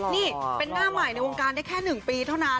นี่เป็นหน้าใหม่ในวงการได้แค่๑ปีเท่านั้น